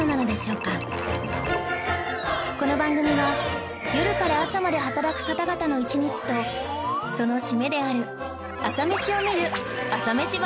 この番組は夜から朝まで働く方々の一日とその締めである朝メシを見る朝メシバラエティなのです